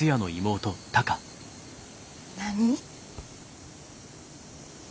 何？